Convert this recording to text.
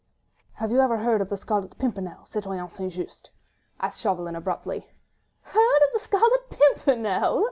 "Have you ever heard of the Scarlet Pimpernel, Citoyenne St. Just?" asked Chauvelin, abruptly. "Heard of the Scarlet Pimpernel?"